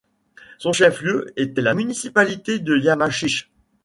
Son chef-lieu était la municipalité de Yamachiche.